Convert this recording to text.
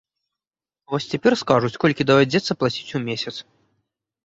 Вось цяпер скажуць, колькі давядзецца плаціць у месяц.